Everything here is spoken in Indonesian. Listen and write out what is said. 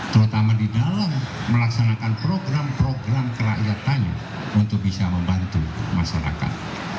terutama di dalam melaksanakan program program kerakyatan untuk bisa membantu masyarakat